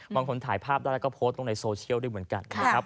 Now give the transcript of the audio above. มองคนถ่ายภาพได้และโพสต์ตรงในโซเชียลได้เหมือนกัน